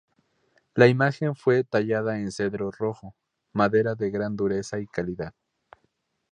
La imagen fue tallada en Cedro Rojo, madera de gran dureza y calidad.